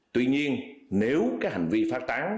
tuy nhiên nếu cái hành vi phát tán